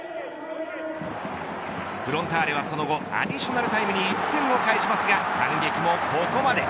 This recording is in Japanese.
フロンターレはその後アディショナルタイムに１点を返しますが反撃もそこまで。